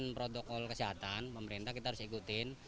dengan protokol kesehatan pemerintah kita harus ikutin